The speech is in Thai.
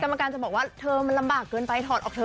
กรรมการจะบอกว่าเธอมันลำบากเกินไปถอดออกเธอ